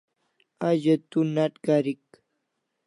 A ze tu nat karik